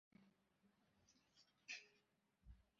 সত্যসত্যই ঋষিরা সর্বকালেই এই শক্তি দেখাইয়াছেন।